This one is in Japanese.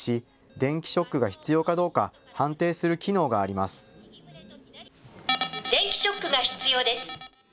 電気ショックが必要です。